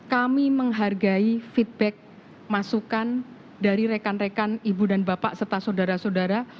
kami menghargai feedback masukan dari rekan rekan ibu dan bapak serta saudara saudara